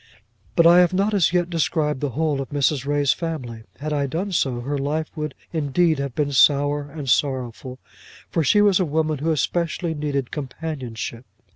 But I have not as yet described the whole of Mrs. Ray's family. Had I done so, her life would indeed have been sour, and sorrowful, for she was a woman who especially needed companionship.